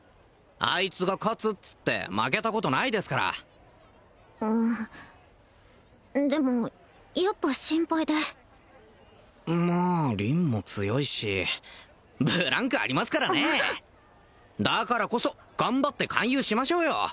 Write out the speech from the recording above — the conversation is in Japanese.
あいつが勝つつって負けたことないですからうんでもやっぱ心配でまあ凛も強いしブランクありますからねえだからこそ頑張って勧誘しましょうよ